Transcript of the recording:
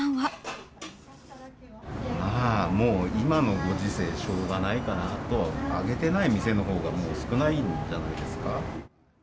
まあ、もう今のご時世、しょうがないかなとは。上げてない店のほうが、もう少ないんじゃないですか。